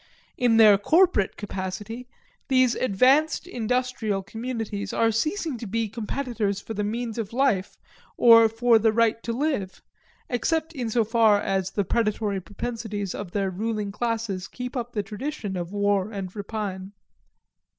In their corporate capacity, these advanced industrial communities are ceasing to be competitors for the means of life or for the right to live except in so far as the predatory propensities of their ruling classes keep up the tradition of war and rapine.